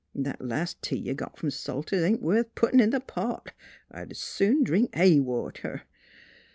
That las' tea you got f'om Salter's ain't worth puttin' in th' pot. I'd 's soon drink hay water."